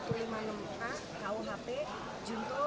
terima kasih dan berhasil